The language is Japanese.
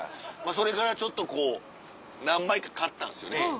それからちょっとこう何枚か買ったんですよね。